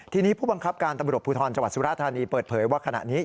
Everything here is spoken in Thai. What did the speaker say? ทีนี้ผู้บังคับการตำรวจภูทรจังหวัดสุราธานีเปิดเผยว่าขณะนี้